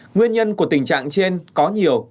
nguyên nhân của tình trạng trên có nhiều